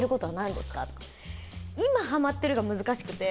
「今ハマってる」が難しくて。